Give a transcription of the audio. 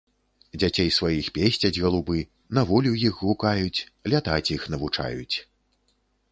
Дзяцей сваіх песцяць галубы, на волю іх гукаюць, лятаць іх навучаюць.